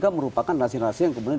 kan merupakan nasi nasi yang kemudian